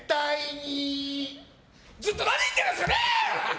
ずっとなに言ってるんですかね。